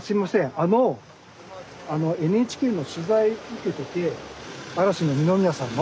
あのあのＮＨＫの取材受けてて嵐の二宮さんの。